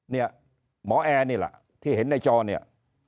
เนี่ยหมอแอร์นี่แหละที่เห็นในจอเนี่ย